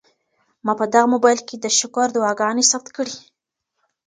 ما په دغه موبایل کي د شکر دعاګانې ثبت کړې.